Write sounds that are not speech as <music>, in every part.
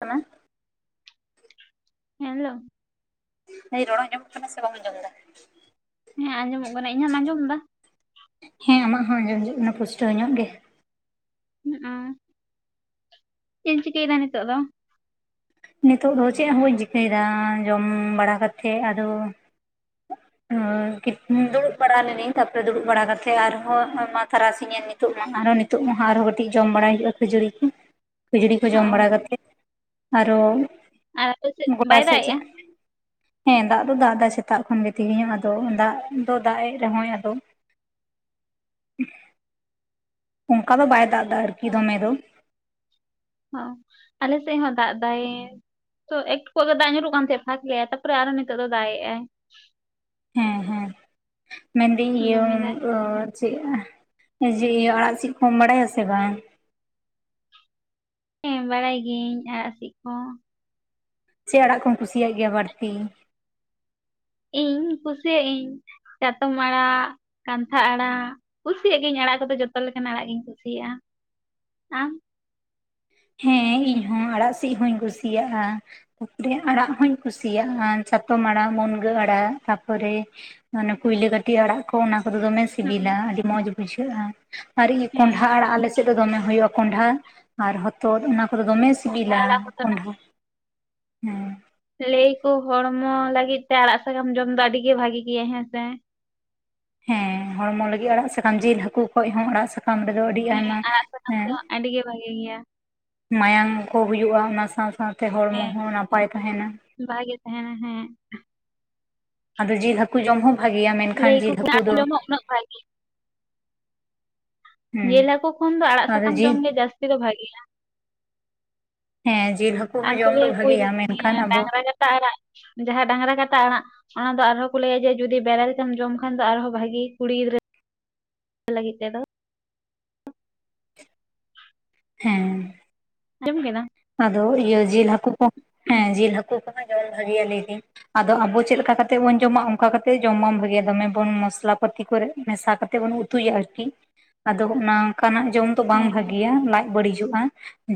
ᱦ <inaudible> ᱦᱮᱱ ᱞᱳ ᱮᱛ ᱨᱚᱲ ᱟᱸᱚᱢᱚᱜ ᱠᱟᱱᱟ ᱥᱮ ᱵᱟᱢ ᱟᱸᱡᱚᱢ ᱮᱫᱟ ᱾ ᱦᱮᱸ ᱟᱸᱡᱚᱢᱚᱜ ᱠᱟᱱᱟ ᱤᱧᱟᱜ ᱮᱢ ᱟᱸᱡᱚᱢ ᱮᱫᱟ ᱦᱮᱸ ᱟᱢᱟᱜ ᱦᱚᱸ ᱟᱸᱡᱚᱢᱩᱜ ᱠᱟᱱᱟ ᱯᱩᱥᱴᱟᱹᱣ ᱧᱚᱜ ᱜᱮ ᱪᱤᱱ ᱪᱤᱠᱟᱹᱭ ᱫᱟ ᱱᱤᱛᱚᱜ ᱫᱚ? ᱱᱤᱛᱚᱜ ᱫᱚ ᱪᱮᱫ ᱦᱚᱸ ᱵᱟᱹᱧ ᱪᱤᱠᱟᱹᱭᱮᱫᱟ ᱡᱚᱢ ᱵᱟᱲᱟ ᱠᱟᱛᱮᱫ ᱟᱫᱚ <inaudible> ᱫᱩᱲᱩᱵ ᱵᱟᱲᱟ ᱞᱮᱱᱟᱹᱧ ᱛᱟᱯᱚᱨᱮ ᱫᱩᱲᱩᱵ ᱵᱟᱲᱟ ᱠᱟᱛᱮᱜ ᱟᱨᱦᱚᱸ ᱟᱭᱢᱟ ᱛᱟᱨᱟᱥᱤ ᱤᱧ ᱮᱱ ᱱᱤᱛᱚᱜ ᱢᱟ ᱟᱨᱦᱚᱸ ᱱᱤᱛᱚᱜ ᱢᱟ ᱟᱨᱦᱚᱸ ᱠᱟᱹᱴᱤᱡ ᱡᱚᱢ ᱵᱟᱲᱟᱟᱭ ᱦᱩᱭᱩᱜᱼᱟ ᱠᱷᱟᱹᱡᱲᱤ ᱠᱚ ᱠᱷᱟᱹᱡᱩᱲᱤ ᱠᱚ ᱡᱚᱢ ᱚ, ᱵᱟᱲᱟᱛ ᱠᱟᱛᱮ ᱟᱨᱦᱚ ᱟᱨ ᱟᱯᱮ ᱥᱮᱫ ᱜᱚᱴᱟ ᱵᱟᱭ ᱫᱟᱜ ᱥᱮᱫ ᱪ ᱮᱜᱼᱟ ᱦᱮᱸ ᱫᱟᱜ ᱫᱚ ᱫᱟᱜ ᱮᱫᱟ ᱥᱮᱛᱟᱜ ᱠᱷᱚᱱ ᱜᱮ ᱛᱮᱜᱮᱧᱚᱜ ᱟᱫᱚ ᱫᱟᱜ ᱫᱚ ᱫᱟᱜ ᱮ ᱨᱮᱦᱚᱸᱭ ᱟᱫᱚ ᱚᱝᱠᱟ ᱫᱚ ᱵᱟᱭ ᱫᱟᱜ ᱮᱫᱟ ᱟᱨᱠᱤ ᱫᱚᱢᱮ ᱫᱚ ᱦᱚᱸ ᱟᱞᱮ ᱥᱮᱫ ᱦᱚᱸ ᱫᱟᱜ ᱫᱟᱭ ᱛᱚ ᱮᱠᱴᱩᱚᱡ ᱜᱮ ᱫᱟᱜ ᱧᱩᱨᱩᱜ ᱠᱟᱱ ᱛᱟᱦᱮᱸᱫ ᱯᱷᱟᱠ ᱞᱮᱟᱭ ᱛᱟᱨᱯᱚᱨᱮ ᱟᱨᱦᱚ ᱱᱤᱛᱚᱜ ᱫᱚ ᱫᱟᱜ ᱮᱜᱼᱟᱭ ᱦᱮᱸ ᱦᱮᱸ ᱢᱮᱱᱫᱟᱹᱧ ᱤᱭᱟᱹ ᱫᱚᱢᱮᱫᱟᱭ ᱳ ᱪᱮᱫ ᱡᱮᱤᱭᱟᱹ ᱟᱲᱟᱜ ᱥᱤᱫ ᱠᱚᱢ ᱵᱟᱲᱟᱭᱟ ᱥᱮ ᱵᱟᱝ ᱦᱮᱸ ᱵᱟᱲᱟᱭ ᱜᱤᱭᱟᱹᱧ ᱟᱲᱟᱜ ᱥᱤᱫ ᱠᱚ ᱪᱮᱫ ᱟᱲᱟᱜ ᱠᱚᱢ ᱠᱩᱥᱤᱭᱟᱜ ᱜᱮᱭᱟ ᱵᱟᱹᱲᱛᱤ ᱤᱧ ᱠᱩᱥᱤᱭᱟᱜ ᱤᱧ ᱪᱟᱛᱚᱢ ᱟᱲᱟᱜ ᱠᱟᱱᱛᱷᱟ ᱟᱲᱟᱜ ᱠᱩᱥᱤᱭᱟᱜ ᱜᱤᱭᱟᱹᱧ ᱟᱲᱟᱜ ᱠᱚᱫᱚ ᱡᱚᱛᱚ ᱞᱮᱠᱟᱱ ᱟᱲᱟᱜ ᱜᱤᱧ ᱠᱩᱥᱤᱭᱟᱜᱼᱟ ᱟᱢ ᱦᱮᱸ ᱤᱧ ᱦᱚᱸ ᱟᱲᱟᱜ ᱥᱤᱫ ᱦᱚᱧ ᱠᱩᱥᱤᱭᱟᱜᱼᱟ ᱛᱟᱨᱯᱚᱨᱮ ᱟᱲᱟᱜ ᱦᱚᱧ ᱠᱩᱥᱤᱭᱟᱜᱼᱟ ᱪᱟᱛᱚᱢ ᱟᱲᱟᱜ ᱢᱩᱱᱜᱟᱹ ᱟᱲᱟᱜ ᱛᱟᱨᱯᱚᱨᱮ ᱢᱟᱱᱮ ᱯᱩᱭᱞᱟᱹ ᱠᱟᱹᱴᱤᱡ ᱟᱲᱟᱜ ᱠᱚ ᱚᱱᱟ ᱠᱚᱫᱚ ᱫᱚᱢᱮ ᱦᱩᱸ, ᱥᱤᱵᱤᱞᱟ ᱟᱹᱰᱤ ᱢᱚᱸᱡᱽ ᱵᱩᱡᱷᱟᱹᱜᱼᱟ ᱟᱨ ᱦᱮᱸ ᱠᱚᱸᱰᱷᱟ ᱟᱲᱟᱜ ᱟᱞᱮ ᱥᱮᱫ ᱥᱮᱫ ᱨᱮ ᱫᱚᱢᱮ ᱦᱩᱭᱩᱜᱼᱟ ᱠᱚᱸᱰᱷᱟᱟ ᱟᱨ ᱦᱚᱛᱚᱛ ᱚᱱᱟ ᱠᱚᱫᱚ ᱫᱚᱢᱮ ᱠᱚᱸᱰᱷᱟ ᱥᱤᱵᱤᱞᱟ ᱟᱲᱟᱜ ᱦᱚᱸ ᱠᱚᱸᱰᱷᱟ ᱦᱮᱸ ᱞᱟᱹᱭ ᱟᱠᱚ ᱦᱚᱲᱢᱚ ᱞᱟᱹᱜᱤᱫ ᱛᱮ ᱟᱲᱟᱜ ᱥᱟᱠᱟᱢ ᱡᱚᱢ ᱫᱚ ᱟᱹᱰᱤ ᱜᱮ ᱵᱷᱟᱜᱤ ᱜᱮᱭᱟ ᱦᱮᱸᱥᱮ ᱦᱮᱸ ᱦᱚᱲᱢᱚ ᱞᱟᱹᱜᱤᱫ ᱟᱲᱟᱜ ᱥᱟᱠᱟᱢ ᱡᱤᱞ ᱦᱟᱹᱠᱩ ᱠᱷᱚᱡ ᱦᱚᱸ ᱟᱲᱟᱜ ᱥᱟᱠᱟᱢ <unintelligible> ᱨᱮᱫᱚ ᱟᱹᱰᱤ ᱦᱮᱸ ᱟᱭᱢᱟ ᱟᱲᱟᱜ ᱥᱟᱠᱟᱢ ᱮᱸ ᱫᱚ ᱟᱹᱰᱤ ᱜᱮ ᱵᱷᱟᱜᱮ ᱜᱮᱭᱟ ᱢᱟᱭᱟᱝ ᱠᱚ ᱦᱩᱭᱩᱜᱼᱟ ᱚᱱᱟ ᱥᱟᱶ ᱥᱟᱶᱛᱮ ᱦᱚᱲᱢᱚ ᱦᱮᱸ ᱦᱚᱸ ᱱᱟᱯᱟᱭ ᱛᱟᱦᱮᱱᱟ ᱵᱷᱟᱜᱮ ᱛᱟᱸᱦᱮᱱᱟ ᱦᱮᱸ ᱟᱫᱚ ᱡᱤᱞ ᱦᱟᱹᱠᱩ ᱡᱚᱢ ᱦᱚᱸ ᱵᱷᱟᱹᱜᱮᱭᱟ ᱢᱮᱱᱠᱷᱟᱱ ᱞᱟᱹᱭᱟᱠᱚ ᱡᱤᱞ ᱟᱨ ᱦᱟᱹᱠᱩ ᱠᱚ ᱫᱚ ᱡᱚᱢᱟ ᱩᱱᱟᱹᱜ ᱵᱷᱟᱜᱮ ᱡᱮᱞ ᱦᱮᱸ ᱦᱟᱹᱠᱩ ᱠᱷᱚᱱ ᱫᱚ ᱟᱲᱟᱜ ᱟᱫᱚ ᱥᱟᱠᱟᱢ ᱡᱚᱢ ᱡᱤᱞ ᱜᱮ ᱡᱟᱹᱥᱛᱤ ᱫᱚ ᱵᱷᱟᱜᱮᱭᱟ ᱦᱮᱸ ᱡᱤᱞ ᱦᱟᱹᱠᱩ ᱦᱚᱸ ᱟᱨ ᱠᱚ ᱡᱚᱢ ᱫᱚ ᱞᱟᱹᱭᱟ ᱠᱚ ᱵᱷᱟᱜᱮᱭᱟ ᱤᱭᱟᱹ ᱢᱮᱱᱠᱷᱟᱱ ᱟᱵᱚ ᱰᱟᱝᱨᱟ ᱴᱟ ᱟᱲᱟᱜ ᱡᱟᱦᱟᱸ ᱰᱟᱝᱨᱟ ᱠᱟᱴᱟ ᱟᱲᱟᱜ ᱚᱱᱟ ᱫᱚ ᱟᱨᱦᱚᱸ ᱠᱚ ᱞᱟᱹᱭᱟ ᱡᱮ ᱡᱩᱫᱤ ᱵᱮᱨᱮᱞ ᱛᱮᱢ ᱡᱚᱢ ᱠᱷᱟᱱ ᱫᱚ ᱟᱨᱦᱚᱸ ᱵᱷᱟᱜᱤ ᱠᱩᱲᱤ ᱜᱤᱫᱽᱨᱟᱹ ᱞᱟᱹᱜᱤᱫ ᱛᱮ ᱫᱚ ᱦᱮᱸ ᱡᱚᱢ ᱠᱮᱫᱟᱢ ᱟᱫᱚ ᱤᱭᱟᱹ ᱡᱤᱞ ᱦᱟᱹᱠᱩ ᱠᱚ ᱦᱮᱸ ᱡᱤᱞ ᱦᱟᱹᱠᱩ ᱠᱚᱦᱚᱸ ᱡᱟᱢ ᱵᱷᱟᱜᱮᱭᱟ ᱞᱟᱹᱭᱫᱤᱧ ᱟᱫᱚ ᱟᱵᱚ ᱪᱮᱫ ᱞᱮᱠᱟ ᱠᱟᱛᱮᱜ ᱵᱚᱱ ᱡᱚᱢᱟ ᱚᱱᱠᱟ ᱠᱟᱛᱮ ᱡᱚᱢ ᱵᱟᱝ ᱵᱷᱟᱜᱮᱭᱟ ᱫᱚᱢᱮ ᱵᱚᱱ ᱢᱚᱥᱞᱟ ᱯᱟᱹᱛᱤ ᱠᱚᱨᱮ ᱢᱮᱥᱟ ᱠᱟᱛᱮᱜ ᱵᱚᱱ ᱩ ᱩᱛᱩᱭᱟ ᱟᱨᱠᱤ ᱟᱫᱚ ᱚᱱᱟ ᱚᱱᱠᱟᱱᱟᱜ ᱡᱚᱢ ᱛᱚ ᱵᱟᱝ ᱦᱮᱸ ᱵᱷᱟᱹᱜᱮᱭᱟ ᱞᱟᱡ ᱵᱟᱹᱲᱤᱡᱚᱜᱼᱟ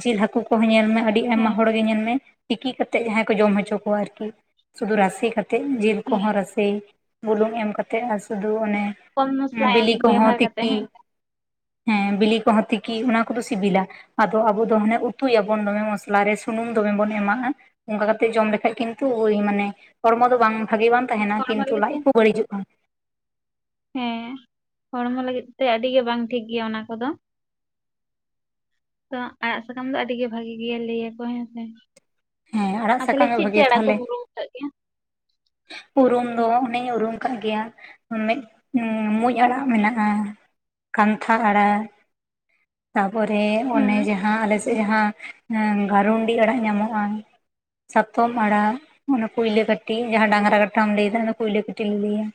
ᱡᱮᱞ ᱦᱟᱹᱠᱩ ᱠᱚ ᱦᱚᱸ ᱧᱮᱞ ᱢᱮ ᱟᱹᱰᱤ ᱟᱭᱢᱟ ᱦᱮᱸ ᱦᱚᱲ ᱜᱮ ᱧᱮᱞ ᱢᱮ ᱛᱤᱠᱤ ᱠᱟᱛᱮᱫ ᱡᱟᱸᱦᱟᱭ ᱠᱚ ᱡᱚᱢ ᱦᱚᱪᱚ ᱠᱚᱣᱟ ᱟᱨᱠᱤ ᱥᱩᱫᱷᱩ ᱨᱟᱥᱮ ᱠᱟᱛᱮᱜ ᱡᱮᱞ ᱠᱚ ᱦᱮᱸ ᱦᱚᱸ ᱨᱟᱥᱮ ᱵᱩᱞᱩᱝ ᱮᱢ ᱠᱟᱛᱮᱫ ᱟᱨ ᱥᱩᱫᱩ ᱚᱱᱮ ᱠᱚᱢ ᱢᱚᱥᱞᱟ ᱮᱢ ᱵᱤᱞᱤ ᱠᱚ ᱦᱚᱸ ᱵᱮᱣᱦᱟᱨ ᱠᱟᱛᱮ ᱛᱤᱠᱤ ᱦᱮᱸ ᱦᱮᱸ ᱵᱤᱞᱤ ᱠᱚ ᱦᱚᱸ ᱛᱤᱠᱤ ᱚᱱᱟ ᱠᱚᱫᱚ ᱥᱤᱵᱤᱞᱟ ᱟᱫᱚ ᱟᱵᱚ ᱫᱚ ᱦᱟᱱᱮ ᱩᱛᱩᱭᱟᱵᱚᱱ ᱫᱚᱢᱮ ᱢᱚᱥᱞᱟ ᱨᱮ ᱥᱩᱱᱩᱢ ᱫᱚᱢᱮ ᱵᱚᱱ ᱮᱢᱟᱜᱼᱟ ᱚᱱᱠᱟ ᱠᱟᱛᱮᱜ ᱡᱚᱢ ᱞᱮᱠᱷᱟᱡ ᱠᱤᱱᱛᱩ ᱳᱭ ᱢᱟᱱᱮ ᱦᱚᱲᱢᱚ ᱫᱚ ᱵᱟᱝ ᱵᱷᱟᱜᱤ ᱵᱟᱝ ᱛᱟᱸᱦᱮᱱᱟ ᱦᱚᱲᱢᱚ ᱠᱤᱱᱛᱩ ᱞᱟᱹᱜᱤᱫ ᱞᱟᱡ ᱛᱮ ᱠᱚ ᱵᱟᱹᱲᱤᱡᱚᱜᱼᱟ ᱦᱮᱸ ᱦᱚᱲᱢᱚ ᱞᱟᱹᱜᱤᱫ ᱛᱮ ᱟᱹᱰᱤ ᱜᱮ ᱵᱟᱝ ᱴᱷᱤᱠ ᱜᱮᱭᱟ ᱚᱱᱟ ᱠᱚᱫᱚ ᱛᱚ ᱟᱲᱟᱜ ᱥᱟᱠᱟᱢ ᱫᱚ ᱟᱹᱰᱤ ᱜᱮ ᱵᱷᱟᱜᱮ ᱜᱮᱭᱟ ᱞᱟᱹᱭᱟ ᱠᱚ ᱦᱮᱸᱥᱮ ᱦᱮᱸ ᱟᱲᱟᱜ ᱟᱨ ᱥᱟᱠᱟᱢ ᱛᱟᱦᱚᱞᱮ ᱜᱮ ᱪᱮᱫ ᱪᱮᱫ ᱵᱷᱟᱜᱮᱭᱟ ᱟᱲᱟᱜ ᱛᱟᱦᱚᱞᱮ ᱠᱚᱢ ᱩᱨᱩᱢ ᱟᱠᱟᱫ ᱜᱮᱭᱟ? ᱩᱨᱩᱢ ᱫᱚ ᱚᱱᱮᱧ ᱩᱨᱩᱢ ᱠᱟᱜ ᱜᱮᱭᱟ ᱢᱤᱫ ᱩᱸ ᱢᱩᱸᱡ ᱟᱲᱟᱜ ᱢᱮᱱᱟᱜᱼᱟ ᱠᱟᱱᱛᱷᱟ ᱟᱲᱟᱜ ᱛᱟᱨᱯᱚᱨᱮ ᱚᱱᱮ ᱦᱩᱸ ᱡᱟᱸᱦᱟ ᱟᱞᱮ ᱥᱮᱫ ᱡᱟᱸᱦᱟ ᱮᱸ ᱜᱟᱨᱩᱱᱰᱤ ᱟᱲᱟᱜ ᱧᱟᱢᱚᱜᱼᱟ ᱪᱟᱛᱚᱢ ᱟᱲᱟᱜ ᱚᱱᱟ ᱠᱩᱭᱞᱟᱹ ᱠᱟᱹᱴᱤ ᱡᱟᱸᱦᱟ ᱰᱟᱝᱨᱟ ᱠᱟᱴᱷᱟᱢ ᱞᱟᱹᱭ ᱫᱟ ᱟᱞᱮ ᱫᱚ ᱠᱩᱭᱞᱟᱹ ᱠᱟᱹᱴᱤ ᱞᱮ ᱞᱟᱹᱭᱟ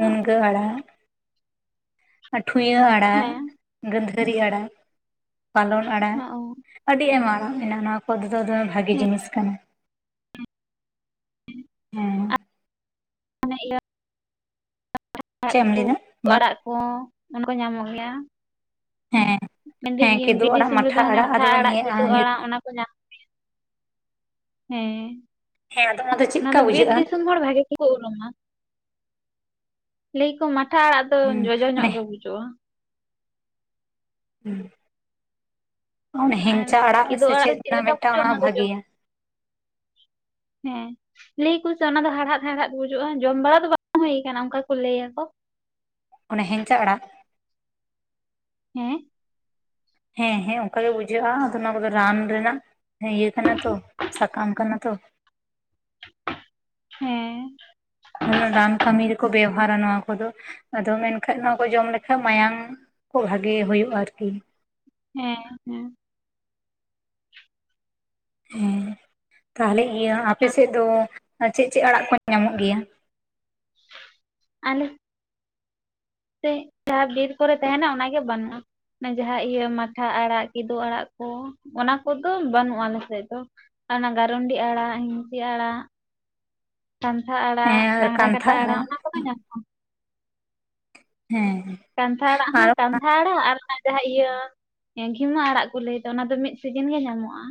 ᱢᱩᱱᱜᱟᱹ ᱟᱲᱟᱜ ᱟᱹᱴᱷᱩᱭᱟᱹ ᱟᱲᱟᱜ ᱦᱮᱸ ᱜᱟᱺᱫᱷᱟᱹᱨᱤ ᱟᱲᱟᱜ ᱯᱟᱞᱚᱱ ᱟᱲᱟᱜ ᱟᱹᱰᱤ ᱟᱭᱢᱟ ᱟᱲᱟᱜ ᱢᱮᱱᱟᱜᱼᱟ ᱱᱚᱣᱟ ᱠᱚ <unintelligible> ᱵᱷᱟᱜᱮ ᱡᱤᱱᱤᱥ ᱠᱟᱱᱟ ᱦᱮᱸ ᱢᱟᱱᱮ ᱤᱭᱟᱹ ᱪᱮᱫ ᱮᱢ ᱞᱟᱹᱭ ᱫᱟ? ᱦᱚᱛᱚᱜ ᱟᱲᱟᱜ ᱠᱚ ᱚᱱᱟ ᱠᱚ ᱧᱟᱢᱚᱜ ᱜᱮᱭᱟ ᱦᱮᱸ ᱢᱮᱱᱫᱟᱹᱧ ᱦᱮᱸ ᱤᱭᱟᱹ ᱠᱮᱫᱳ ᱵᱤᱨ ᱟᱲᱟᱜ ᱫᱤᱥᱚᱢ ᱨᱮ ᱫᱚ ᱦᱟᱱᱮ ᱢᱟᱴᱷᱟ ᱟᱫᱚ ᱟᱲᱟᱜ ᱱᱤᱭᱟᱹ ᱠᱮᱫᱟᱹᱵ ᱟᱲᱟᱜ ᱚᱱᱟ ᱠᱚ ᱧᱟᱢ ᱦᱮᱸ ᱦᱮᱸ ᱟᱫᱚ ᱚᱱᱟ ᱫᱚ ᱪᱮᱫᱠᱟ ᱵᱤᱨ ᱵᱩᱡᱷᱟᱹᱜᱼᱟ ᱫᱤᱥᱚᱢ ᱦᱚᱲ ᱵᱷᱟᱜᱮ <unintelligible> ᱞᱟᱹᱭᱟ ᱠᱚ ᱢᱟᱴᱷᱟ ᱟᱲᱟᱜ ᱫᱚ ᱦᱩᱸ ᱡᱚᱡᱚ ᱚᱱᱮ ᱧᱚᱜ ᱜᱮ ᱵᱩᱡᱩᱜᱼᱟ᱾ ᱦᱚᱸ ᱟᱨ ᱦᱮᱝᱪᱟ ᱟᱲᱟᱜ ᱠᱤᱫᱩ ᱥᱮ ᱫᱚ ᱪᱮᱫ ᱨᱮᱱᱟᱜ ᱞᱮᱠᱟ ᱢᱤᱫᱴᱟᱝ ᱵᱩᱡᱩᱜᱼᱟ ᱚᱱᱟ ᱦᱚᱸ ᱫᱚ ᱡᱚᱢ ᱵᱷᱟᱜᱮᱭᱟ ᱦᱮᱸ ᱞᱟᱹᱭᱟ ᱠᱩ ᱥᱮ ᱚᱱᱟ ᱫᱚ ᱦᱟᱲᱦᱟᱫ ᱦᱟᱲᱦᱟᱫ ᱵᱩᱡᱩᱜᱼᱟ ᱡᱚᱢ ᱵᱟᱲᱟ ᱫᱚ ᱵᱟᱝ ᱦᱩᱭ ᱠᱟᱱᱟ ᱚᱱᱠᱟ ᱠᱚ ᱞᱟᱹᱭᱟ ᱠᱚ ᱚᱱᱟ ᱦᱮᱸᱝᱪᱟ ᱟᱲᱟᱜ ᱦᱮᱸ ᱦᱮᱸ ᱦᱮᱸ ᱚᱱᱠᱟ ᱜᱮ ᱵᱩᱡᱷᱟᱹᱜᱼᱟ ᱟᱫᱚ ᱚᱱᱟ ᱠᱚᱫᱚ ᱨᱟᱱ ᱨᱮᱱᱟᱜ ᱦᱮᱸ ᱤᱭᱟᱹ ᱠᱟᱱᱟ ᱛᱚ ᱥᱟᱠᱟᱢ ᱠᱟᱱᱟ ᱛᱚ ᱦᱮᱸ ᱨᱟᱱ ᱠᱟᱹᱢᱤ ᱨᱮᱠᱚ ᱵᱮᱣᱦᱟᱨᱟ ᱱᱚᱣᱟ ᱠᱚᱫᱚ ᱟᱫᱚ ᱢᱮᱱᱠᱷᱟᱡ ᱱᱚᱣᱟ ᱠᱚ ᱡᱚᱢ ᱞᱮᱠᱷᱟᱡ ᱢᱟᱭᱟᱢ ᱠᱷᱩᱵ ᱵᱷᱟᱜᱮ ᱦᱩᱭᱩᱜᱼᱟ ᱟᱨᱠᱤ᱾ ᱦᱮᱸ ᱦᱮᱸ ᱦᱮᱸ ᱛᱟᱦᱞᱮ ᱤᱭᱟᱹ ᱦᱮᱸ ᱟᱯᱮᱥᱮᱫ ᱫᱚ ᱪᱮᱫ ᱪᱮᱫ ᱟᱲᱟᱜ ᱠᱚ ᱧᱟᱢᱚᱜ ᱜᱮᱭᱟ? ᱟᱞᱮ ᱥᱮ ᱡᱟᱦᱟᱸ ᱵᱤᱨ ᱠᱚᱨᱮ ᱛᱟᱦᱮᱱᱟ ᱚᱱᱟᱜᱮ ᱵᱟᱹᱱᱩᱜᱼᱟ᱾ ᱚᱱᱟ ᱡᱟᱦᱟᱸ ᱤᱭᱟᱹ ᱢᱟᱴᱷᱟ ᱟᱲᱟᱜ ᱠᱤᱫᱩ ᱟᱲᱟᱜ ᱠᱚ ᱚᱱᱟ ᱠᱚᱫᱚ ᱵᱟᱹᱱᱩᱜᱼᱟ, ᱟᱞᱮᱥᱮᱫ ᱫᱚ᱾ ᱚᱱᱟ ᱜᱟᱨᱩᱱᱰᱤ ᱟᱲᱟᱜ, ᱦᱤᱸᱥᱤ ᱟᱲᱟᱜ, ᱠᱟᱱᱟᱱᱛᱷᱟ ᱟᱲᱟᱜ, ᱦᱮᱸ ᱟᱨ ᱰᱟᱝᱨᱟ ᱠᱟᱱᱛᱷᱟ ᱠᱟᱴᱟ ᱟᱲᱟᱜ ᱚᱱᱟ ᱠᱚᱫᱚ ᱧᱟᱢᱚᱜᱼᱟ᱾ ᱦᱮᱸ ᱠᱟᱱᱛᱷᱟᱲᱟᱜ ᱟᱨ ᱦᱚᱸ, ᱠᱟᱱᱛᱷᱟᱲᱟᱜ ᱟᱨ ᱡᱟᱦᱟᱸ ᱤᱭᱟᱹ ᱜᱷᱤᱢᱟᱹ ᱟᱲᱟᱜ ᱠᱚ ᱞᱟᱹᱭᱫᱟ ᱚᱱᱟ ᱫᱚ ᱢᱤᱫ ᱥᱤᱡᱤᱱ ᱜᱮ ᱧᱟᱢᱚᱜᱼᱟ᱾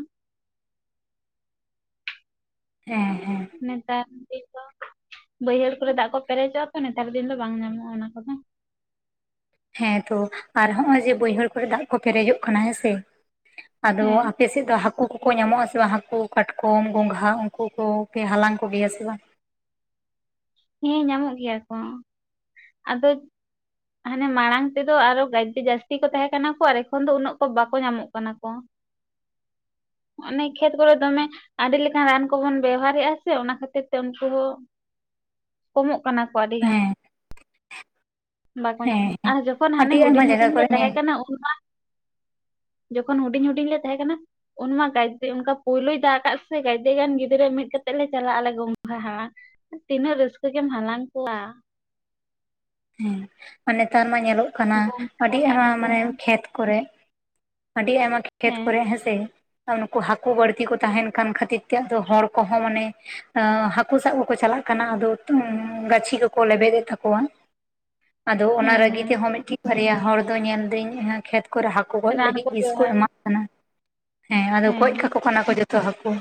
ᱦᱮᱸ ᱦᱮᱸ ᱱᱮᱛᱟᱨ <unintelligible> ᱵᱟᱹᱭᱦᱟᱹᱲ ᱠᱚᱨᱮ ᱫᱟᱜ ᱠᱚ ᱯᱮᱨᱮᱡᱚᱜᱼᱟ ᱛᱚ᱾ ᱱᱮᱛᱟᱨ ᱫᱤᱱ ᱫᱚ ᱵᱟᱝ ᱧᱟᱢᱚᱜᱼᱟ, ᱚᱱᱟ ᱠᱚᱫᱚ᱾ ᱦᱮᱸ ᱛᱚ ᱟᱨ ᱦᱚᱸᱜ ᱚᱚᱭ ᱡᱮ ᱵᱟᱹᱭᱦᱟᱹᱲ ᱠᱚᱨᱮ ᱫᱟᱜ ᱠᱚ ᱯᱮᱨᱮᱡᱚᱜ ᱠᱟᱱᱟ ᱦᱮᱸᱥᱮ ᱟᱫᱚ ᱦᱮᱸ ᱟᱯᱮ ᱥᱮᱫ ᱫᱚ ᱦᱟᱹᱠᱩ ᱠᱚ ᱠᱚ ᱧᱟᱢᱚᱜᱼᱟ ᱥᱮ ᱵᱟᱝ᱾ ᱦᱟᱹᱠᱩ, ᱠᱟᱴᱠᱚᱢ, ᱜᱚᱸᱜᱷᱟ ᱩᱱᱠᱩ ᱠᱚ ᱯᱮ ᱦᱟᱞᱟᱝ ᱠᱚᱜᱮᱭᱟ ᱥᱮ ᱵᱟᱝ? ᱦᱮᱸ ᱧᱟᱢᱚᱜ ᱜᱮᱭᱟ ᱠᱚ ᱟᱫᱚ ᱦᱟᱱᱮ ᱢᱟᱲᱟᱝ ᱛᱮᱫᱚ ᱟᱨᱚ ᱜᱟᱡᱮ ᱡᱟᱹᱥᱛᱤ ᱠᱚ ᱛᱟᱦᱮᱸ ᱠᱟᱱᱟ ᱠᱚ ᱟᱨ ᱮᱠᱷᱚᱱ ᱫᱚ ᱩᱱᱟᱹᱜ ᱠᱚ ᱵᱟᱠᱚ ᱧᱟᱢᱚᱜ ᱠᱟᱱᱟ ᱠᱚ <inaudible> ᱚᱱᱮ ᱠᱷᱮᱛ ᱠᱚᱨᱮ ᱫᱚᱢᱮ ᱟᱹᱰᱤ ᱞᱮᱠᱟᱱ ᱨᱟᱱ ᱠᱚᱵᱚᱱ ᱵᱮᱣᱦᱟᱨᱮᱫᱼᱟ ᱥᱮ ᱚᱱᱟ ᱠᱷᱟᱹᱛᱤᱨ ᱛᱮ ᱩᱱᱠᱩ ᱦᱚᱸ ᱠᱚᱢᱚᱜ ᱠᱟᱱᱟ ᱠᱚ ᱟᱹᱰᱤᱜᱟᱱ᱾ ᱦᱮᱸ ᱵᱟᱠᱚ ᱦᱮᱸ ᱧᱟᱢᱟ ᱦᱮᱸ ᱟᱨ ᱡᱚᱠᱷᱚᱱ ᱦᱟᱱᱮ ᱟᱹᱰᱤ ᱦᱩᱰᱤᱧ ᱟᱭᱢᱟ ᱡᱟᱭᱜᱟ ᱦᱩᱰᱤᱧ ᱞᱮ ᱠᱚᱨᱮ ᱧᱮᱞ ᱛᱟᱦᱮᱸ ᱠᱟᱱᱟ ᱩᱱ ᱢᱟ ᱡᱚᱠᱷᱚᱱ ᱦᱩᱰᱤᱧ ᱦᱩᱰᱤᱧ ᱞᱮ ᱛᱟᱦᱮᱸ ᱠᱟᱱᱟ, ᱩᱱ ᱢᱟ ᱜᱟᱭᱛᱮ ᱚᱱᱠᱟ ᱯᱳᱭᱞᱳᱭ ᱫᱟᱜ ᱟᱠᱟᱟᱜ ᱥᱮ ᱜᱟᱟᱭᱛᱮ ᱜᱟᱱ ᱜᱤᱫᱽᱨᱟᱹ ᱢᱤᱫ ᱠᱟᱛᱮᱜ ᱞᱮ ᱪᱟᱞᱟᱜ ᱟᱞᱮ ᱜᱚᱝᱜᱷᱟ ᱦᱟᱞᱟᱝ ᱾ ᱛᱤᱱᱟᱹᱜ ᱨᱟᱹᱥᱠᱟᱹ ᱜᱮᱢ ᱦᱟᱞᱟᱝ ᱠᱚᱣᱟ᱾ ᱦᱮᱸ ᱟᱨ ᱱᱮᱛᱟᱨ ᱢᱟ ᱧᱮᱞᱚᱜ ᱠᱟᱱᱟ ᱜᱚᱝᱜᱷᱟ ᱟᱹᱰᱤ ᱟᱭᱢᱟ ᱢᱟᱱᱮ ᱠᱟᱴᱠᱚᱢ ᱠᱷᱮᱛ ᱠᱚᱨᱮ ᱟᱹᱰᱤ ᱟᱭᱢᱟ ᱠᱷᱮᱛ ᱦᱮᱸ ᱠᱚᱨᱮ ᱦᱮᱸᱥᱮ ᱱᱩᱠᱩ ᱦᱟᱹᱠᱩ ᱵᱟᱹᱲᱛᱤ ᱠᱚ ᱛᱟᱦᱮᱱ ᱠᱟᱱ ᱠᱷᱟᱹᱛᱤᱨ ᱛᱮ ᱟᱫᱚ ᱦᱚᱲ ᱠᱚᱦᱚᱸ ᱢᱟᱱᱮ ᱮᱸᱻ ᱦᱟᱠᱩ ᱥᱟᱵ ᱠᱚᱠᱚ ᱪᱟᱞᱟᱜ ᱠᱟᱱᱟ ᱟᱫᱚ ᱜ ᱜᱟᱪᱷᱤ ᱠᱚᱠᱚ ᱞᱮᱵᱮᱫ ᱮᱫ ᱛᱟᱠᱚᱣᱟ᱾ ᱟᱫᱚ ᱚᱱᱟ ᱦᱮᱸ ᱨᱟᱹᱜᱤ ᱛᱮᱦᱚᱸ ᱢᱤᱫᱴᱤᱡ ᱵᱟᱨᱭᱟ ᱦᱚᱲ ᱫᱚ ᱧᱮᱞ ᱫᱟᱹᱧ ᱠᱷᱮᱛ ᱠᱚ ᱨᱮ ᱦᱟᱠ ᱦᱟᱠᱩ ᱦᱮᱸ ᱜᱚᱡ ᱨᱟᱱ ᱞᱟᱹᱜᱤᱫ ᱵᱤᱥ ᱠᱚ ᱵᱮᱣᱦᱟᱨ ᱮᱢᱟᱜ ᱠᱟᱱᱟ᱾ ᱦᱮᱸ ᱟᱨ ᱜᱚᱡ ᱠᱟᱠᱚ ᱠᱟᱱᱟ ᱠᱚ ᱡᱚᱛᱚ ᱦᱟᱠᱩ᱾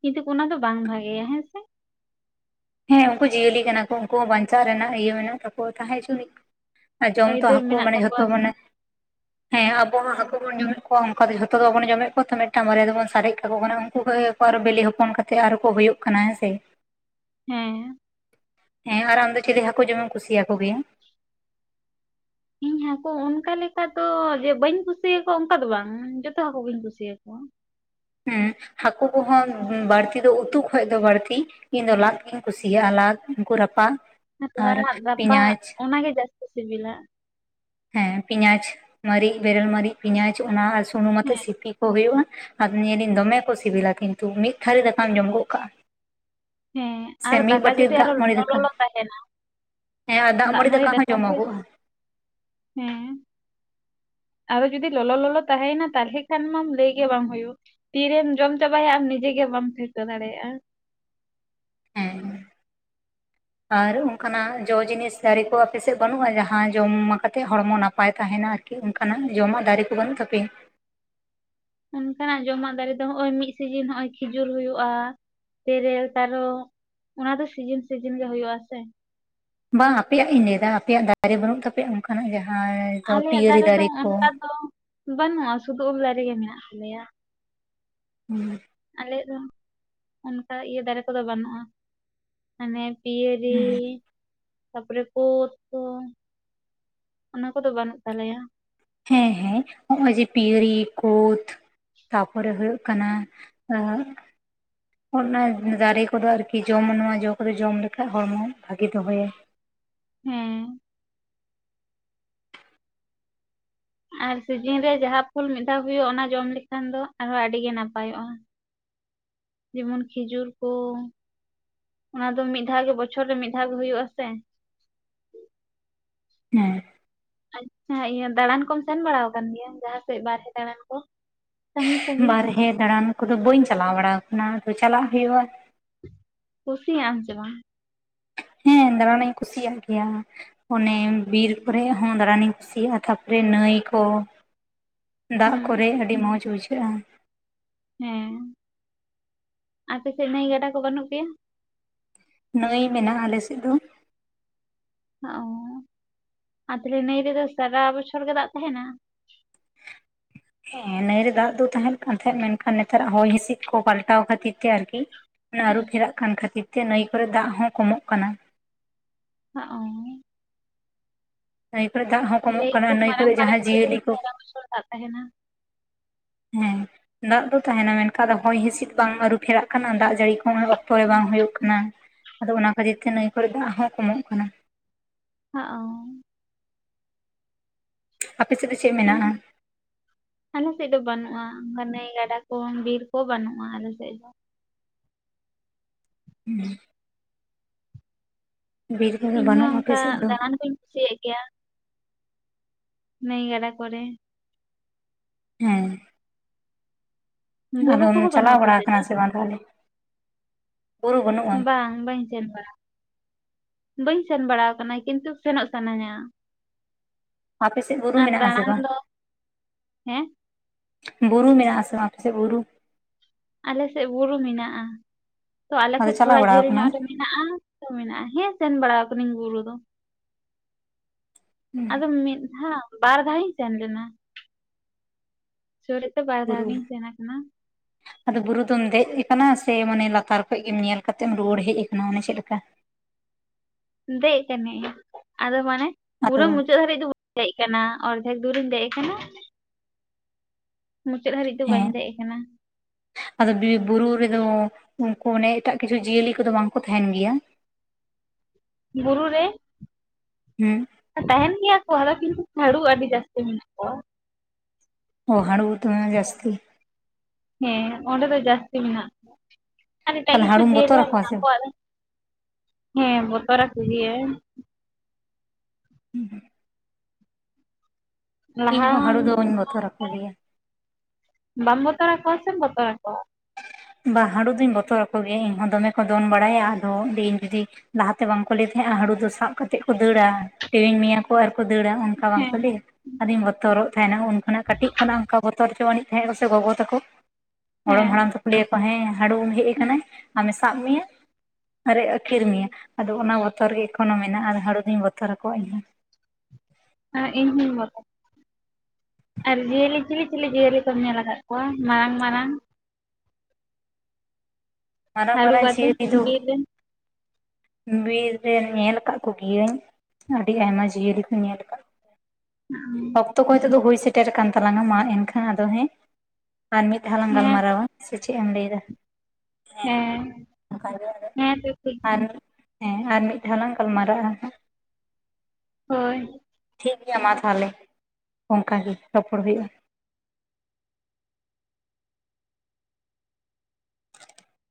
ᱠᱤᱱᱛᱩ ᱚᱱᱟ ᱫᱚ ᱵᱟᱝ ᱵᱷᱟᱜᱮᱭᱟ ᱦᱮᱸ ᱥᱮ ᱦᱮᱸ ᱩᱱᱠᱩ ᱡᱤᱭᱟᱹᱞᱤ ᱠᱟᱱᱟ ᱠᱚ ᱩᱱᱠᱩ ᱦᱚᱸ ᱵᱟᱧᱪᱟᱜ ᱨᱮᱱᱟᱜ ᱤᱭᱟᱹ ᱢᱮᱱᱟᱜ ᱛᱟᱠᱚ ᱛᱟᱦᱮᱸ ᱦᱚᱪᱚ ᱜᱤ᱾ ᱟᱨ ᱡᱚᱢ ᱛᱚ ᱟᱹᱭᱫᱟᱹᱨ ᱦᱟᱹᱠᱩ ᱢᱮᱱᱟᱜ ᱢᱟᱱᱮ ᱡᱷᱚᱛᱚ ᱛᱟᱠᱚᱣᱟ ᱥᱮ ᱢᱟᱱᱮ <inaudible> ᱦᱮᱸ ᱟᱵᱚ ᱦᱚᱸ ᱦᱟᱹᱠᱩ ᱵᱚᱱ ᱡᱚᱢᱮᱫ ᱠᱚᱣᱟ, ᱚᱝᱠᱟ ᱫᱚ ᱡᱷᱚᱛᱚ ᱫᱚ ᱵᱟᱵᱚᱱ ᱡᱚᱢᱮᱫ ᱠᱚᱣᱟ ᱛᱚ ᱢᱤᱫᱴᱟᱝ ᱵᱟᱨᱭᱟ ᱫᱚᱵᱚᱱ ᱥᱟᱨᱮᱡ ᱠᱟᱠᱚ ᱠᱟᱱᱟ ᱩᱝᱠᱩ ᱠᱚ ᱠᱚ ᱟᱨ ᱵᱤᱞᱤ ᱦᱚᱯᱚᱱ ᱠᱟᱛᱮᱫ ᱟᱨᱚ ᱠᱚ ᱦᱩᱭᱩᱜ ᱠᱟᱱᱟ ᱦᱮᱸ ᱥᱮ ᱦᱮᱸ ᱦᱮᱸ ᱟᱨ ᱟᱢ ᱫᱚ ᱪᱤᱞᱤ ᱦᱟᱹᱠᱩ ᱡᱚᱢᱮᱢ ᱠᱩᱥᱤᱭᱟᱠᱚ ᱜᱮᱭᱟ? ᱤᱧ ᱦᱟᱠᱩ ᱚᱱᱠᱟ ᱞᱮᱠᱟ ᱫᱚ ᱡᱮ ᱵᱟᱹᱧ ᱠᱩᱥᱤᱭᱟᱠᱚᱣᱟ ᱚᱝᱠᱟ ᱫᱚ ᱵᱟᱝ ᱡᱚᱛᱚ ᱦᱟᱠᱩ ᱜᱤᱧ ᱠᱩᱥᱤᱭᱟᱠᱚᱣᱟ᱾ ᱦᱩᱸ ᱦᱟᱠᱩ ᱠᱚᱦᱚᱸ ᱵᱟᱹᱲᱛᱤ ᱫᱚ ᱩᱛᱩ ᱠᱷᱚᱡ ᱫᱚ ᱵᱟᱲᱛᱤ ᱤᱧ ᱫᱚ ᱞᱟᱫ ᱜᱧ ᱠᱩᱥᱤᱭᱟᱜᱼᱟ, ᱞᱟᱫ ᱩᱝᱠᱩ ᱨᱟᱯᱟᱜ ᱠᱷᱟᱱᱛᱟ ᱟᱨ ᱟᱲᱟᱜ ᱨᱟᱯᱟᱜ ᱯᱮᱸᱭᱟᱡᱽ ᱚᱱᱟᱜᱮ ᱡᱟᱹᱥᱛᱤ ᱥᱤᱵᱤᱞᱟ ᱦᱮᱸ ᱯᱮᱸᱭᱟᱡᱽ ᱢᱟᱨᱤᱪ ᱵᱮᱨᱮᱞ ᱢᱟᱨᱤᱡ ᱯᱮᱸᱭᱟᱡ ᱚᱱᱟ ᱟᱨ ᱥᱩᱱᱩᱢ ᱟᱛᱮᱜ ᱦᱮᱸ ᱥᱤᱯᱤ ᱠᱚ ᱦᱩᱭᱩᱜᱼᱟ᱾ ᱟ ᱱᱤᱭᱟᱹ ᱫᱤᱱ ᱫᱚᱢᱮ ᱠᱚ ᱥᱤᱵᱤᱞᱟ ᱠᱤᱱᱛᱩ ᱢᱤᱫ ᱫᱷᱟᱹᱲᱤ ᱫᱟᱠᱟᱢ ᱡᱚᱢ ᱜᱚᱫ ᱠᱟᱜᱼᱟ᱾ ᱦᱮᱸ ᱥᱮ ᱟᱨ ᱢᱤᱫ ᱫᱟᱠᱟ ᱵᱟᱹᱴᱤ ᱡᱩᱫᱤ ᱟᱨᱚ ᱫᱟᱜ ᱢᱟᱹᱲᱤ ᱞᱚᱞᱚ ᱫᱟᱠᱟ ᱞᱚᱞᱚ ᱛᱟᱦᱮᱱᱟ᱾ ᱦᱮᱸ ᱟᱨ ᱫᱟᱜ ᱢᱟᱹᱲᱤ ᱦᱚᱸ ᱫᱟᱠᱟ <unintelligible> ᱡᱚᱢᱚᱜᱚᱜᱼᱟ ᱦᱮᱸ ᱟᱨᱚ ᱡᱩᱚᱫᱤ ᱞᱚᱞᱚ ᱞᱚᱞᱚ ᱛᱟᱸᱭᱮᱱᱟ ᱛᱟᱦᱚᱞᱮ ᱠᱷᱟᱱ ᱢᱟᱢ ᱞᱟᱹᱭᱜᱮ ᱵᱟᱝ ᱦᱩᱭᱩᱜᱼᱟ᱾ ᱛᱤᱨᱮᱢ ᱡᱚᱢ ᱪᱟᱵᱟᱭᱟ ᱟᱢ ᱱᱤᱡᱮᱜ ᱜᱮ ᱵᱟᱢ ᱴᱷᱠᱟᱹ ᱫᱟᱲᱮᱭᱟᱜᱼᱟ᱾ ᱦᱮᱸ <inaudible> ᱟᱨ ᱚᱱᱠᱟᱱᱟᱜ ᱡᱚ ᱡᱤᱱᱤᱥ ᱫᱟᱨᱮ ᱠᱚ ᱟᱯᱮ ᱥᱮᱫ ᱵᱟᱹᱱᱩᱜ-ᱟ ᱡᱟᱦᱟᱸ ᱡᱚᱢ ᱠᱟᱛᱮᱫ ᱦᱚᱲᱢᱚ ᱱᱟᱯᱟᱭ ᱛᱟᱦᱮᱱᱟ ᱟᱨᱠᱤ, ᱚᱱᱠᱟᱱᱟᱜ ᱡᱚᱢᱟᱜ ᱫᱟᱨᱮ ᱠᱚ ᱵᱟᱹᱱᱩᱜ ᱛᱟᱯᱮᱭᱟ ᱚᱱᱠᱟᱱᱟᱜ ᱡᱚᱢᱟᱜ ᱫᱟᱨᱮ ᱫᱚ ᱱᱚᱜ-ᱚᱭ ᱢᱤᱫ ᱥᱤᱡᱤᱱ ᱱᱚᱜ-ᱚᱭ ᱠᱷᱤᱡᱩᱨ ᱦᱩᱭᱩᱜ-ᱟ ᱛᱮᱨᱮᱞ ᱛᱟᱨᱚᱵ ᱚᱱᱟ ᱫᱚ ᱥᱤᱡᱤᱱ ᱥᱤᱡᱤᱱ ᱜᱮ ᱦᱩᱭᱩᱜ ᱟᱥᱮ ᱵᱟᱝ ᱟᱯᱮᱭᱟᱜ ᱤᱧ ᱞᱟᱹᱭᱫᱟ ᱟᱯᱮᱭᱟᱜ ᱫᱟᱨᱮ ᱵᱟᱹᱱᱩᱜ ᱛᱟᱯᱮᱭᱟ ᱚᱱᱠᱟᱱᱟᱜ ᱡᱟᱦᱟᱸᱭ ᱟᱞᱮᱭᱟᱜ ᱫᱟᱨᱮ ᱫᱚ ᱚᱱᱠᱟ ᱫᱚ ᱵᱟᱹᱱᱩᱜ-ᱟ ᱥᱩᱫᱩ ᱩᱞ ᱫᱟᱨᱮ ᱜᱮ ᱢᱮᱱᱟᱜ ᱛᱟᱞᱮᱭᱟ <unintelligible> ᱟᱞᱮᱭᱟ ᱫᱚ ᱚᱱᱠᱟ ᱤᱭᱟᱹ ᱫᱟᱨᱮ ᱠᱚᱫᱚ ᱵᱟᱹᱱᱩᱜ-ᱟ ᱢᱟᱱᱮ ᱯᱤᱭᱟᱹᱨᱤ, ᱛᱟᱯᱚᱨᱮ <unintelligible> ᱠᱚ ᱚᱱᱟ ᱠᱚᱫᱚ ᱵᱟᱹᱱᱩᱜ ᱛᱟᱞᱮᱭᱟ ᱦᱮᱸ ᱦᱮᱸ ᱱᱚᱜ-ᱚᱭ ᱡᱮ ᱯᱤᱭᱟᱨᱤ ᱠᱩᱫ ᱛᱟᱨᱯᱚᱨᱮ ᱦᱩᱭᱩᱜ ᱠᱟᱱᱟ ᱮᱸ - ᱚᱱᱟ ᱫᱟᱨᱮ ᱠᱚᱫᱚ ᱟᱨᱠᱤ ᱡᱚᱢᱟ ᱱᱚᱣᱟ ᱡᱚ ᱠᱚᱫᱚ ᱡᱚᱢ ᱞᱮᱠᱷᱟᱡ ᱦᱚᱲᱢᱚ ᱵᱷᱟᱜᱤ ᱫᱚᱦᱚᱭᱟ ᱦᱮᱸ ᱟᱨ ᱥᱤᱡᱤᱱ ᱨᱮ ᱡᱟᱦᱟᱸ ᱯᱷᱚᱞ ᱢᱤᱫ ᱫᱷᱟᱣ ᱦᱩᱭᱩᱜ-ᱟ ᱚᱱᱟ ᱡᱚᱢ ᱞᱮᱠᱷᱟᱱ ᱫᱚ ᱟᱨᱦᱚᱸ ᱟᱹᱰᱤᱜᱮ ᱱᱟᱯᱟᱭᱚᱜ-ᱟ ᱡᱮᱢᱚᱱ ᱠᱷᱤᱡᱩᱨ ᱠᱚ ᱚᱱᱟ ᱫᱚ ᱢᱤᱫ ᱫᱷᱟᱣ ᱜᱮ ᱵᱚᱪᱷᱚᱨ ᱨᱮ ᱢᱤᱫ ᱫᱷᱟᱣ ᱜᱮ ᱦᱩᱭᱩᱜ-ᱟ ᱥᱮ ᱦᱮᱸ ᱟᱪᱪᱷᱟ ᱤᱭᱟᱹ ᱫᱟᱬᱟᱱ ᱠᱚᱢ ᱥᱮᱱ ᱵᱟᱲᱟ ᱟᱠᱟᱱ ᱜᱮᱭᱟ? ᱡᱟᱦᱟᱸ ᱥᱮᱫ ᱵᱟᱦᱨᱮ ᱫᱟᱬᱟᱱ ᱠᱚ ᱥᱟᱺᱜᱤᱧ ᱥᱟᱺᱜᱤᱧ ᱵᱟᱨᱦᱮ ᱫᱟᱬᱟᱱ ᱠᱚᱫᱚ ᱵᱟᱹᱧ ᱪᱟᱞᱟᱣ ᱵᱟᱲᱟ ᱟᱠᱟᱱᱟ ᱟᱫᱚ ᱪᱟᱞᱟᱜ ᱦᱩᱭᱩᱜ-ᱟ ᱠᱩᱥᱤᱭᱟᱜ ᱟᱢ ᱥᱮ ᱵᱟᱝ? ᱦᱮᱸ ᱫᱟᱬᱟᱱ ᱤᱧ ᱠᱩᱥᱤᱭᱟᱜ ᱜᱮᱭᱟ ᱚᱱᱮ ᱵᱤᱨ ᱠᱚᱨᱮ ᱦᱚᱸ ᱫᱟᱬᱟᱱᱤᱧ ᱠᱩᱥᱤᱭᱟᱜ-ᱟ ᱛᱟᱨᱯᱚᱨᱮ ᱱᱟᱹᱭ ᱠᱚ <inaudible> ᱫᱟᱜ ᱠᱚᱨᱮ ᱟᱹᱰᱤ ᱢᱚᱡᱽ ᱵᱩᱡᱷᱟᱹᱜ-ᱟ ᱦᱮᱸ ᱟᱯᱮ ᱥᱮᱫ ᱱᱟᱹᱭ ᱜᱟᱰᱟ ᱠᱚ ᱵᱟᱹᱱᱩᱜ ᱜᱮᱭᱟ? ᱱᱟᱹᱭ ᱢᱮᱱᱟᱜ-ᱟ ᱟᱞᱮᱥᱮᱫ ᱫᱚ <unintelligible> ᱟᱨ ᱛᱟᱦᱚᱞᱮ ᱱᱟᱹᱭ ᱨᱮᱫᱚ ᱥᱟᱨᱟ ᱵᱚᱪᱷᱚᱨ ᱜᱮ ᱫᱟᱜ ᱛᱟᱦᱮᱱᱟ? <inaudible> ᱦᱮᱸ ᱱᱟᱹᱭ ᱨᱮ ᱫᱟᱜ ᱫᱚ ᱛᱟᱦᱮᱱ ᱠᱟᱱ ᱛᱟᱦᱮᱸᱫᱚ ᱢᱮᱱᱠᱷᱟᱱ ᱱᱮᱛᱟᱨᱟᱜ ᱦᱚᱭ ᱦᱤᱸᱥᱤᱫ ᱠᱚ ᱯᱟᱞᱴᱟᱣ ᱠᱷᱟᱹᱛᱤᱨ ᱛᱮ ᱟᱨᱠᱤ ᱟᱹᱨᱩ ᱯᱷᱮᱨᱟᱜ ᱠᱟᱱ ᱠᱷᱟᱹᱛᱤᱨ ᱛᱮ ᱱᱟᱹᱭ ᱠᱚᱨᱮ ᱫᱟᱜ ᱦᱚᱸ ᱠᱚᱢᱚᱜ ᱠᱟᱱᱟ <unintelligible> <inaudible> ᱞᱟᱹᱭ ᱟᱠᱚ ᱱᱟᱹᱭ ᱠᱚᱨᱮ ᱢᱟᱨᱟᱝ ᱡᱟᱦᱟᱸ ᱢᱟᱨᱟᱝ ᱱᱟᱹᱭ ᱠᱚᱨᱮ ᱫᱚ ᱡᱤᱭᱟᱹᱞᱤ ᱠᱚ ᱥᱟᱨᱟ ᱵᱚᱪᱷᱚᱨ ᱫᱟᱜ ᱛᱟᱦᱮᱱᱟ ᱦᱮᱸ ᱫᱟᱜ ᱫᱚ ᱛᱟᱦᱮᱱᱟ ᱢᱮᱱᱠᱷᱟᱱ ᱟᱫᱚ ᱦᱚᱭ ᱦᱤᱥᱤᱫ ᱵᱟᱝ ᱟᱹᱨᱩ ᱯᱷᱮᱨᱟᱜ ᱠᱟᱱᱟ ᱫᱟᱜ ᱡᱟᱹᱲᱤ ᱠᱚ ᱦᱚᱸ <unintelligible> ᱵᱟᱝ ᱦᱩᱭᱩᱜ ᱠᱟᱱᱟ ᱟᱫᱚ ᱚᱱᱟ ᱠᱷᱟᱹᱛᱤᱨ ᱛᱮ ᱱᱟᱹᱭ ᱠᱚᱨᱮ ᱫᱟᱜ ᱦᱚᱸ ᱠᱚᱢᱚᱜ ᱠᱟᱱᱟ <unintelligible> ᱟᱯᱮ ᱥᱮᱫ ᱫᱚ ᱪᱮᱫ ᱢᱮᱱᱟᱜ-ᱟ? ᱟᱞᱮ ᱥᱮᱫ ᱫᱚ ᱵᱟᱹᱱᱩᱜ-ᱟ ᱚᱱᱠᱟ ᱱᱟᱹᱭ ᱜᱟᱰᱟ ᱠᱚ, ᱵᱤᱨ ᱠᱚ ᱵᱟᱹᱱᱩᱜ-ᱟ ᱟᱞᱮ ᱥᱮᱫ ᱫᱚ <inaudible> ᱵᱤᱨ ᱠᱚᱫᱚ ᱤᱧᱦᱚ ᱵᱟᱹᱱᱩᱜᱼᱟ ᱟᱯᱮ ᱚᱱᱠᱟ ᱥᱮᱫ ᱫᱚ ᱫᱟᱬᱟᱱ ᱠᱩᱧ ᱠᱩᱥᱤᱭᱟᱜ ᱜᱮᱭᱟ ᱱᱟᱹᱭ ᱜᱟᱰᱟ ᱠᱚᱨᱮ ᱦᱮᱸ ᱵᱩᱨᱩ ᱟᱫᱚᱢ ᱠᱚᱦᱚᱸ ᱪᱟᱞᱟᱣ ᱵᱟᱹᱱᱩᱜᱼᱟ ᱟᱯᱮ ᱵᱟᱲᱟᱣ ᱥᱮᱫ ᱫᱚ? ᱠᱟᱱᱟ ᱥᱮ ᱵᱟᱝ ᱛᱟᱦᱚᱞᱮ? ᱵᱩᱨᱩ ᱵᱟᱹᱱᱩᱜᱼᱟ ᱵᱟᱝ ᱵᱟᱹᱧ ᱥᱮᱱ ᱵᱟᱲᱟ ᱵᱟᱹᱧ ᱥᱮᱱ ᱵᱟᱲᱟ ᱟᱠᱟᱱᱟ ᱠᱤᱱᱛᱩ ᱥᱮᱱᱚᱜ ᱥᱟᱱᱟᱧᱟ ᱟᱯᱮ ᱥᱮᱫ ᱵᱩᱨᱩ ᱟᱨ ᱢᱮᱱᱟᱜ ᱟᱥᱮ ᱫᱟᱬᱟᱱ ᱵᱟᱝ? ᱫᱚ ᱦᱮᱸ ᱵᱩᱨᱩ ᱢᱮᱱᱟ ᱟᱥᱮ ᱵᱟᱝ ᱟᱯᱮ ᱥᱮᱫ ᱵᱩᱨᱩ? ᱟᱞᱮᱥᱮᱫ ᱵᱩᱨᱩ ᱢᱮᱱᱟᱜ-ᱟ ᱛᱚ ᱟᱞᱮ ᱟᱫᱚ ᱠᱷᱚᱡ ᱪᱟᱞᱟᱣ ᱛᱷᱚᱲᱟ ᱵᱟᱲᱟ ᱡᱷᱟᱹᱞ ᱟᱠᱟᱱᱟᱢ ᱧᱚᱜ ᱨᱮ ᱢᱮᱱᱟᱜ-ᱟ ᱛᱚ ᱢᱮᱱᱟᱜ-ᱟ ᱦᱮᱸ ᱥᱮᱱ ᱵᱟᱲᱟᱣ ᱠᱟᱱᱟᱧ ᱵᱩᱨᱩ ᱫᱚ ᱟᱫᱚ ᱢᱤᱫ ᱫᱷᱟᱣ ᱵᱟᱨ ᱫᱷᱟᱣ ᱤᱧ ᱥᱮᱱ ᱞᱮᱱᱟ 'ᱡᱳᱨ' ᱮᱫᱛᱮ ᱵᱟᱨ ᱫᱷᱟᱣ ᱵᱩᱨᱩ ᱜᱤᱧ ᱥᱮᱱ ᱠᱟᱱᱟ ᱟᱫᱚ ᱵᱩᱨᱩ ᱫᱚᱢ ᱫᱮᱡ ᱟᱠᱟᱱᱟ ᱥᱮ ᱢᱟᱱᱮ ᱞᱟᱛᱟᱨ ᱠᱷᱚᱡ ᱜᱮᱢ ᱧᱮᱞ ᱠᱟᱛᱮᱢ ᱨᱩᱭᱟᱹᱲ ᱦᱮᱡ ᱟᱠᱟᱱᱟ ᱚᱱᱮ ᱪᱮᱫ ᱞᱮᱠᱟ ᱫᱮᱡ ᱟᱠᱟᱹᱱᱟᱹᱧ ᱟᱫᱚ ᱢᱟᱱᱮ ᱯᱩᱨᱟᱹ ᱟᱫᱚ ᱢᱩᱪᱟᱹᱫ ᱫᱷᱟᱹᱨᱤᱡ ᱫᱮᱡ ᱟᱠᱟᱱᱟ ᱚᱨᱫᱷᱮᱠ ᱫᱩᱨᱤᱧ ᱫᱮᱡ ᱟᱠᱟᱱᱟ᱾ ᱢᱩᱪᱟᱹᱫ ᱦᱟᱹᱨᱤᱡ ᱫᱚ ᱵᱟᱹᱧ ᱦᱮᱸ ᱫᱮᱡ ᱟᱠᱟᱱᱟ ᱟᱫᱚ ᱵᱤᱨ ᱵᱩᱨᱩ ᱨᱮᱫᱚ ᱩᱱᱠᱩ ᱚᱱᱮ ᱮᱴᱟᱜ ᱠᱤᱪᱷᱩ ᱡᱤᱭᱟᱹᱞᱤ ᱠᱚᱫᱚ ᱵᱟᱝᱠᱚ ᱛᱟᱦᱮᱱ ᱜᱮᱭᱟ᱾ ᱵᱩᱨᱩ ᱨᱮ ᱦᱩᱸ ᱛᱟᱦᱮᱱ ᱜᱮᱭᱟ ᱠᱚ ᱟᱫᱚ ᱠᱤᱱᱛᱩ ᱦᱟᱹᱲᱩ ᱟᱹᱰᱤ ᱡᱟᱹᱥᱛᱤ ᱢᱮᱱᱟᱜ ᱠᱚᱣᱟ ᱚᱻ ᱦᱟᱲᱩ ᱵᱩᱴᱟᱹ ᱢᱮᱱᱟᱜ-ᱟ ᱡᱟᱥᱛᱤ ᱦᱮᱸ ᱚᱸᱰᱮ ᱫᱚ ᱡᱟᱹᱥᱛᱤ ᱢᱮᱱᱟᱜ ᱠᱚᱣᱟ ᱟᱨ ᱮᱴᱟᱜ ᱛᱟᱦᱚᱞᱮ ᱠᱤᱪᱷᱩ ᱦᱟᱹᱲᱩᱢ ᱡᱤᱭᱟᱹᱞᱤ ᱵᱚᱛᱚᱨ ᱦᱚ ᱟᱠᱚᱣᱟ ᱥᱮ ᱢᱮᱱᱟᱜ ᱵᱟᱝ ᱠᱚᱣᱟ ᱦᱮᱸ ᱵᱚᱛᱚᱨ ᱟᱠᱚ ᱜᱮᱣᱟᱹᱧ ᱦᱩᱸ ᱦᱩᱸ ᱤᱧ ᱞᱟᱦᱟ ᱦᱚᱸ ᱦᱚᱢ ᱦᱟᱹᱲᱩ ᱫᱚᱧ ᱵᱚᱛᱚᱨ ᱟᱠᱚ ᱜᱮᱭᱟ ᱵᱟᱢ ᱵᱚᱛᱚᱨ ᱟᱠ ᱠᱚᱣᱟ ᱥᱮᱢ ᱵᱚᱛᱚᱨ ᱟᱠ ᱠᱚᱣᱟ ᱵᱟ ᱦᱟᱹᱲᱩ ᱫᱩᱧ ᱵᱚᱛᱚᱨ ᱟᱠᱚ ᱜᱮᱭᱟ, ᱤᱧ ᱦᱚ ᱫᱚᱢᱮ ᱠᱚ ᱫᱚᱱ ᱵᱟᱲᱟᱭᱟ ᱟᱫᱚ ᱤᱧ ᱡᱩᱫᱤ ᱞᱟᱦᱟ ᱛᱮ ᱵᱟᱝᱠᱚ ᱞᱟᱹᱭ ᱛᱟᱦᱮᱸᱫᱼᱟ ᱦᱩᱲᱩ ᱫᱚ ᱥᱟᱵ ᱠᱟᱛᱮᱫ ᱠᱚ ᱫᱟᱹᱲᱟ ᱴᱮᱣᱤᱧ ᱢᱮᱭᱟ ᱠᱚ ᱟᱨ ᱠᱚ ᱫᱟᱹᱲᱟ ᱚᱱᱠᱟ ᱦᱮᱸ ᱵᱟᱝᱠᱚ ᱦᱮᱸ ᱞᱟᱹᱭᱟ ᱟᱫᱚᱧ ᱵᱚᱛᱚᱨᱚᱜ ᱛᱟᱦᱮᱱᱟ ᱩᱱ ᱠᱷᱚᱱᱟᱜ ᱠᱟᱹᱴᱤᱡ ᱠᱷᱚᱱᱟᱜ ᱚᱱᱠᱟ ᱵᱚᱛᱚᱨ ᱪᱚᱣᱼᱼ ᱛᱟᱦᱮᱸ ᱠᱚ ᱥᱮ ᱜᱚᱜᱚ ᱛᱟᱠᱚ ᱜᱚᱲᱚᱢ ᱦᱟᱲᱟᱢ ᱛᱟᱠᱚ ᱠᱩᱞᱤ ᱟᱠᱚ ᱦᱮᱸ ᱦᱟᱹᱲᱩᱢ ᱦᱮᱡ ᱦᱮᱸ ᱟᱠᱟᱱᱟᱭ ᱟᱢᱮ ᱥᱟᱵ ᱢᱮᱭᱟ ᱟᱨᱮ ᱟᱹᱠᱷᱤᱨ ᱢᱮᱭᱟ ᱟᱫᱚ ᱚᱱᱟ ᱵᱚᱛᱚᱨ ᱜᱮ ᱮᱠᱷᱚᱱᱳ ᱢᱮᱱᱟᱜᱼᱟ ᱦᱟᱹᱲᱩ ᱫᱚᱩᱧ ᱵᱚᱛᱚᱨ ᱟᱠᱚᱣᱟ ᱤᱧᱦᱚᱸ ᱦᱮᱸ ᱤᱧ 'ᱦᱚᱧ ᱢᱚᱛᱚ' ᱟᱨ ᱡᱤᱭᱟᱹᱞᱤ ᱪᱤᱞᱤ ᱪᱤᱞᱤ ᱡᱤᱭᱟᱹᱞᱤ ᱠᱚᱢ ᱧᱮᱞ ᱟᱠᱟᱫ ᱠᱚᱣᱟ ᱢᱟᱨᱟᱝ ᱢᱟᱨᱟᱝ ᱢᱟᱨᱟᱝ, ᱦᱟᱹᱨᱩᱵ ᱢᱟᱲᱟᱝ ᱟᱛᱮ ᱵᱤᱨ ᱨᱮ <unintelligible> ᱦᱮᱸ ᱵᱤᱨ ᱨᱮ ᱧᱮᱞ ᱟᱠᱟᱫ ᱠᱚᱜᱤᱭᱟᱹᱧ, ᱟᱹᱰᱤ ᱟᱭᱢᱟ ᱡᱤᱭᱟᱹᱞᱤ ᱠᱚ ᱧᱮᱞ ᱟᱠᱟᱫ <unintelligible> ᱚᱠᱛᱚ ᱛᱚᱫᱚ ᱦᱩᱭ ᱥᱮᱴᱮᱨ ᱟᱠᱟᱱ ᱛᱟᱞᱟᱝ-ᱟ, ᱢᱟ ᱮᱱᱠᱷᱟᱱ ᱟᱫᱚ ᱦᱮᱸ ᱟᱨ ᱢᱤᱫ ᱫᱷᱟᱣ ᱞᱟᱝ ᱛᱚ ᱜᱟᱞᱢᱟᱨᱟᱣᱟ᱾ ᱥᱮ ᱪᱮᱫ ᱮᱢ ᱞᱟᱹᱭᱫᱟ <inaudible> ᱦᱮᱸ ᱦᱮᱸ ᱛᱚ ᱴᱷᱤᱠ ᱜᱮᱭᱟ ᱦᱮᱸ ᱟᱨ ᱢᱤᱫ ᱫᱷᱟᱣ ᱞᱟᱝ ᱜᱟᱞᱢᱟᱨᱟᱜᱼᱟ ᱦᱳᱭ ᱴᱷᱤᱠ ᱜᱮᱭᱟ ᱢᱟ ᱛᱟᱦᱚᱞᱮ ᱚᱱᱠᱟ ᱜᱮ ᱨᱚᱯᱚᱲ ᱦᱩᱭᱩᱜᱼᱟ